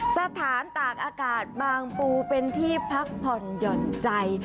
สถานตากอากาศบางปูเป็นที่พักผ่อนหย่อนใจ